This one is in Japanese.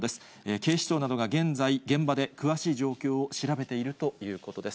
警視庁などが現在、現場で詳しい状況を調べているということです。